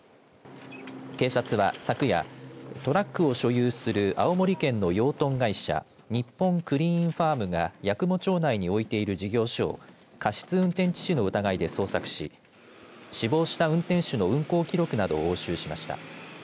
警察は昨夜トラックを所有する青森県の養豚会社日本クリーンファームが八雲町内に置いている事業所を過失運転致死の疑いで捜索し死亡した運転手の運行記録などを押収しました。